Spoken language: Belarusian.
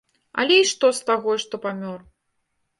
Але і што з таго, што памёр!